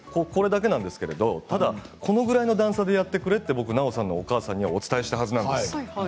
これだけなんですけどただ、これぐらいの段差でやってくれと僕は奈緒さんのお母さんにお伝えしたはずなんです。